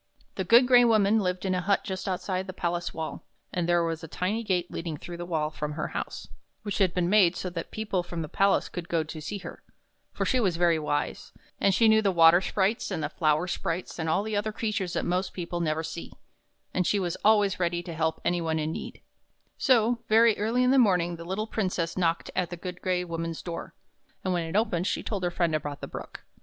The Good Gray Woman lived in a hut just outside the palace wall, and there was a tiny gate leading through the wall from her house, which had been made so that people from the palace could go to see her; for she was very wise, and knew the water sprites and the flower sprites, and all the other creatures that most people never see, and she was always ready to help any one in trouble. 39 THE BROOK IN THE KING'S GARDEN So, very early in the morning the little Princess knocked at the Good Gray Woman's door, and when it opened she told her friend about the Brook.